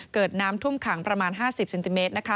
เกิดน้ำท่วมขังประมาณ๕๐เซนติเมตร